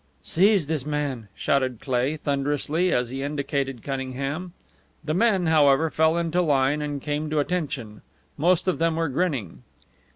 "Seize this man!" shouted Cleigh, thunderously, as he indicated Cunningham. The men, however, fell into line and came to attention. Most of them were grinning.